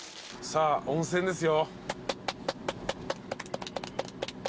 さあ温泉ですよ。